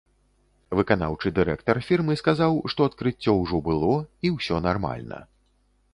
Выканаўчы дырэктар фірмы сказаў, што адкрыццё ужо было і ўсё нармальна.